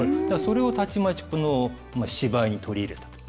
それをたちまちこの芝居に取り入れた。